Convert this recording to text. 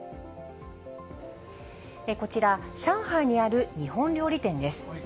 こちら、上海にある日本料理店です。